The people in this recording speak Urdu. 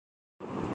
مجھے یاد ہے۔